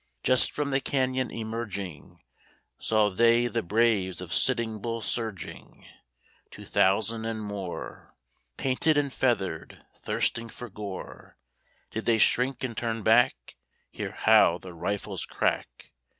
Just from the canyon emerging, Saw they the braves of Sitting Bull surging, Two thousand and more, Painted and feathered, thirsting for gore, Did they shrink and turn back (Hear how the rifles crack!)